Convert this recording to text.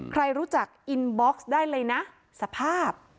ใครรู้จักอินบ็อกซ์ได้เลยนะสภาพ